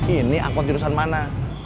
ini angkot jurusan mana